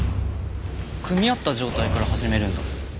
組み合った状態から始めるんだ。